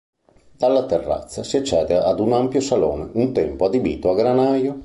Dalla terrazza si accede ad un ampio salone un tempo adibito a granaio.